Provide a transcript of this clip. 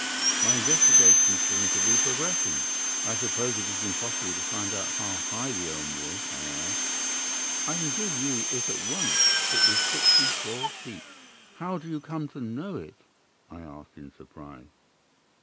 My investigation seemed to be progressing. "'I suppose it is impossible to find out how high the elm was?' I asked. "'I can give you it at once. It was sixty four feet.' "'How do you come to know it?' I asked, in surprise.